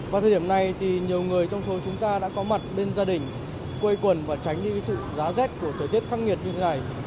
vào thời điểm này thì nhiều người trong số chúng ta đã có mặt bên gia đình quây quần và tránh đi sự giá rét của thời tiết khắc nghiệt như thế này